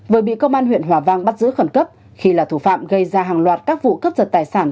vừa bị công an huyện hòa vang bắt giữ khẩn cấp khi là thủ phạm gây ra hàng loạt các vụ cướp giật tài sản